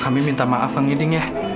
kami minta maaf kang giding ya